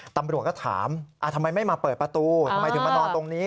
ตำรวจก็ถามทำไมไม่มาเปิดประตูทำไมถึงมานอนตรงนี้